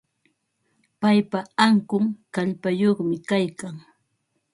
Paypa ankun kallpayuqmi kaykan.